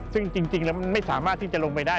ซึ่งจริงแล้วมันไม่สามารถที่จะลงไปได้